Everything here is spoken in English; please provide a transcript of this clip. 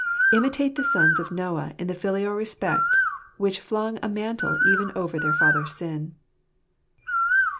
Imitate the sons of Noah in the filial respect which flung a mantle even over their father's sin.